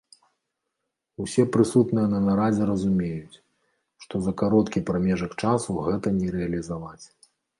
Усе прысутныя на нарадзе разумеюць, што за кароткі прамежак часу гэта не рэалізаваць.